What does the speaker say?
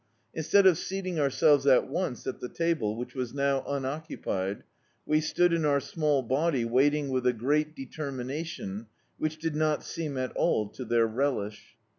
In stead of seating ourselves at once at the table, which was now unoonipied, we stood in our small body waiting with a quiet determination which did not seem at all to their relish.